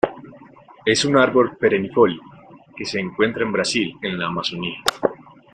Es un árbol perennifolio que se encuentra en Brasil en la Amazonia.